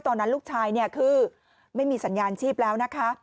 ตอนนั้นลูกชายเนี่ยคือไม่มีสัญญาณชีพแล้วนะคะ